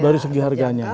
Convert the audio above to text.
dari segi harganya